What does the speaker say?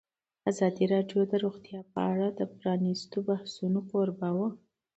ازادي راډیو د روغتیا په اړه د پرانیستو بحثونو کوربه وه.